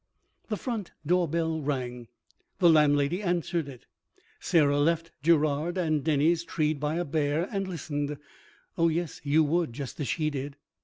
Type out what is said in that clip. The front door bell rang. The landlady answered it. Sarah left Gerard and Denys treed by a bear and listened. Oh, yes; you would, just as she did!